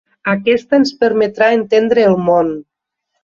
Aquesta ens permetrà entendre el món.